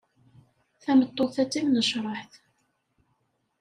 Tameṭṭut-a d timnecreḥt.